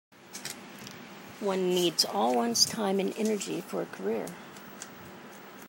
One needs all one's time and energy for a career.